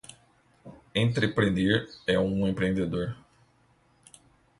Entrepreneur é um empreendedor.